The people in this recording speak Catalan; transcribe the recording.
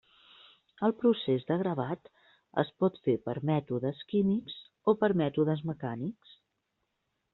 El procés de gravat es pot fer per mètodes químics o per mètodes mecànics.